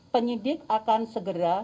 penyidik akan segera